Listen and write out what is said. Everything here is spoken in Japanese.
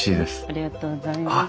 ありがとうございます。